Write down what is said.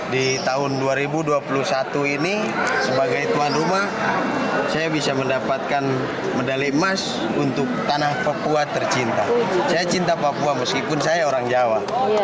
di tahun dua ribu dua puluh satu ini sebagai tuan rumah saya bisa mendapatkan medali emas untuk tanah papua tercinta saya cinta papua meskipun saya orang jawa